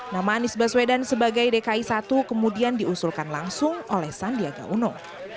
nama anies baswedan sebagai dki satu kemudian diusulkan langsung oleh sandiaga uno